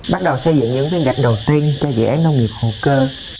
bắt đầu xây dựng những viên gạch đầu tiên cho dễ án nông nghiệp hữu cơ